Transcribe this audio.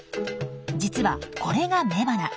実はこれが雌花。